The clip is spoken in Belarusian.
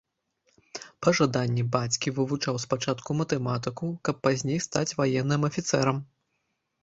Па жаданні бацькі вывучаў спачатку матэматыку, каб пазней стаць ваенным афіцэрам.